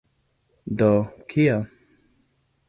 Do, kiel?